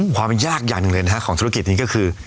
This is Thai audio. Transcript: ความยากอย่างหนึ่งเลยนะฮะของธุรกิจนี้ก็คือ